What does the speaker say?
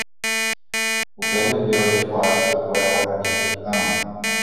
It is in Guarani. upe guive ojekuaa chupekuéra Guarani Pytãme